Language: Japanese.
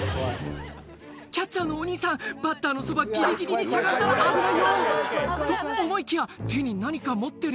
キャッチャーのお兄さんバッターのそばギリギリにしゃがんだら危ないよと思いきや手に何か持ってる？